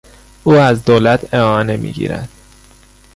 او از دولت اعانه میگیرد.